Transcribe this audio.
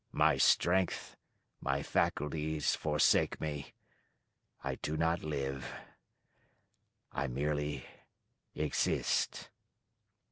My strength my faculties forsake me. I do not live I merely exist.'"